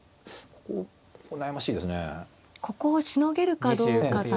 ここをしのげるかどうかが。